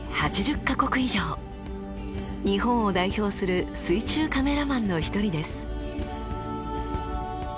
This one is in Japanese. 日本を代表する水中カメラマンの一人です。